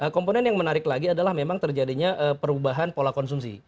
komponen yang menarik lagi adalah memang terjadinya perubahan pola konsumsi